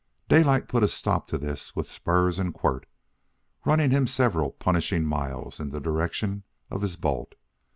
Daylight put a stop to this with spurs and quirt, running him several punishing miles in the direction of his bolt.